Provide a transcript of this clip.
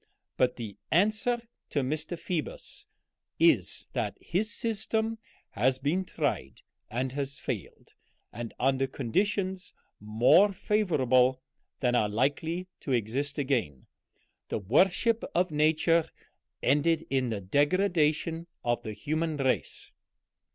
But the answer to Mr. Phoebus is, that his system has been tried and has failed, and under conditions more favorable than are likely to exist again; the worship of Nature ended in the degradation of the human race."